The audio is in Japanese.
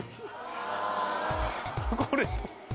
これ。